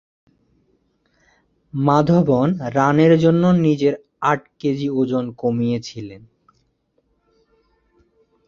Madhavan "run" এর জন্য নিজের আট কেজি ওজন কমিয়ে ছিলেন।